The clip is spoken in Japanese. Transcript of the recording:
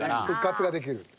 復活ができる。